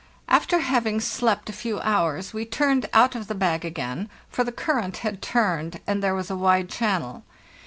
After having slept a few hours, we turned out of the bag again, for the current had turned, and there was a wide channel.